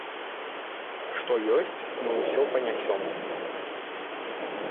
Што ёсць, мы ўсё панясём.